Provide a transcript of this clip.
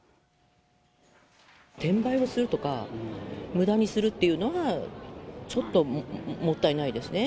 転売をするとか、むだにするっていうのは、ちょっともったいないですね。